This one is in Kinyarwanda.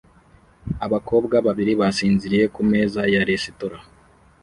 Abakobwa babiri basinziriye ku meza ya resitora